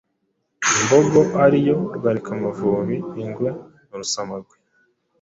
imbogo ari yo “rwarikamavubi”, ingwe n’urusamagwe,